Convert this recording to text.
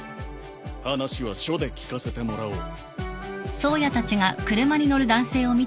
話は署で聞かせてもらおう。